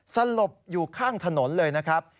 สลบอยู่ข้างถนนเลยนะครับ